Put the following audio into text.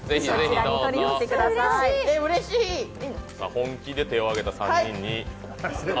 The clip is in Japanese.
本気で手を揚げた３人に。